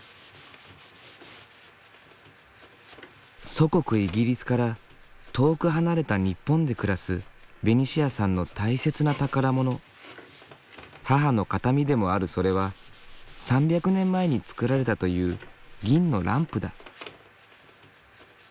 祖国イギリスから遠く離れた日本で暮らすベニシアさんの大切な宝物母の形見でもあるそれは３００年前に作られたという銀のランプだ。